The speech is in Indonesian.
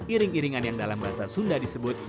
iring iringan yang dalam bahasa sunda disebut